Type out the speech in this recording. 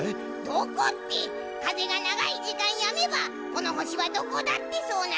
どこってかぜがながいじかんやめばこのほしはどこだってそうなるのよ。